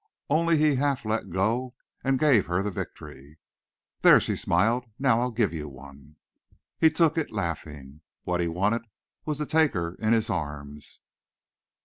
Only he half let go and gave her the victory. "There," she smiled. "Now I'll give you one." He took it, laughing. What he wanted was to take her in his arms.